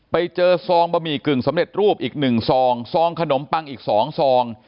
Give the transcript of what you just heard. ไปเจอซองบะหมี่กึ่งสำเร็จรูปอีก๑ซองซองขนมปังอีก๒ซอง